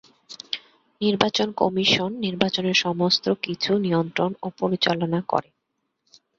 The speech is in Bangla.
নির্বাচন কমিশন নির্বাচনের সমস্ত কিছু নিয়ন্ত্রণ ও পরিচালনা করে।